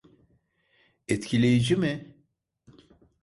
Etkileyici mi?